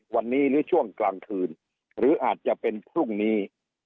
วันนี้หรือช่วงกลางคืนหรืออาจจะเป็นพรุ่งนี้